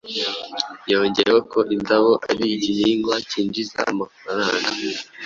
Yongeyeho ko indabo ari igihingwa cyinjiza amafaranga